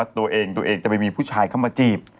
ตัวเองแต่ไม่มีผู้ชายเข้ามาจีบ